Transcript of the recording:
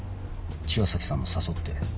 千和崎さんも誘って。